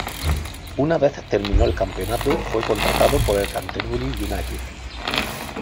Una vez terminó el campeonato, fue contratado por el Canterbury United.